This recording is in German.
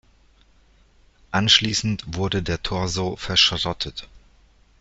Anschliessend wurde der Torso verschrottet.